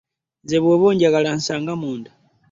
Nze bw'oba onjagala onsanga munda.